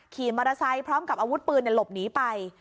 ขี่มอเมาพร้อมกับอาวุธปืนหลบหนีไป